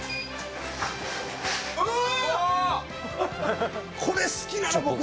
うわ！